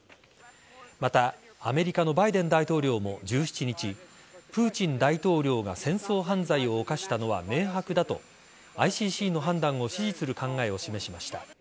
またアメリカのバイデン大統領も１７日プーチン大統領が戦争犯罪を犯したのは明白だとＩＣＣの判断を支持する考えを示しました。